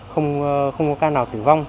không có ca nào tử vong